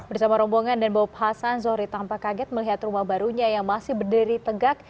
bersama rombongan dan bawa pasan zohri tampak kaget melihat rumah barunya yang masih berdiri tegak